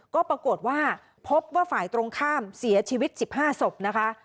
ก็ปรากฏว่าพบว่าฝ่ายตรงข้ามเสียชีวิต๑๕ศพนะคะ